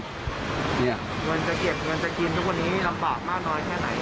เงินจะเก็บเงินจะกินทุกวันนี้ลำบากมากน้อยแค่ไหน